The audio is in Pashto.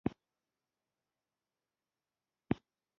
احمدشاه بابا د افغانانو د ویاړ سرچینه ده.